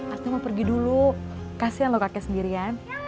aku mau pergi dulu kasian lo kakek sendirian